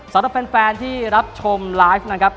สำหรับแฟนที่รับชมไลฟ์นะครับ